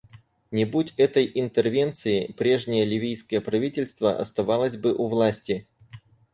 Не будь этой интервенции, прежнее ливийское правительство оставалось бы у власти.